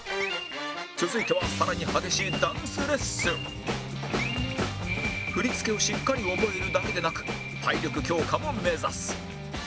続いてはさらに激しいダンスレッスン振り付けをしっかり覚えるだけでなく体力強化も目指す